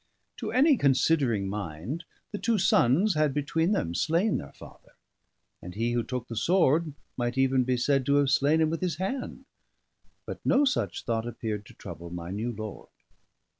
To any considering mind, the two sons had between them slain their father, and he who took the sword might be even said to have slain him with his hand; but no such thought appeared to trouble my new lord.